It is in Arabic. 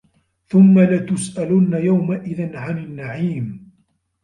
ثُمَّ لَتُسأَلُنَّ يَومَئِذٍ عَنِ النَّعيمِ